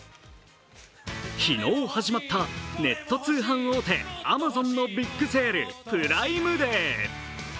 昨日始まったネット通販大手アマゾンのビッグセール、プライムデー。